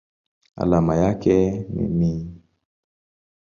Alama yake ni Ni.